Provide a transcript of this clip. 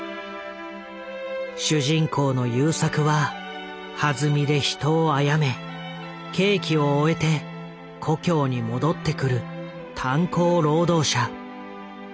主人公の勇作ははずみで人をあやめ刑期を終えて故郷に戻ってくる炭鉱労働者。